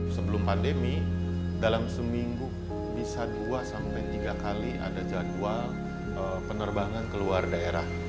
sebelum pandemi dalam seminggu bisa dua sampai tiga kali ada jadwal penerbangan keluar daerah